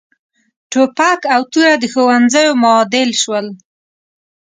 ټوپک او توره د ښوونځیو معادل شول.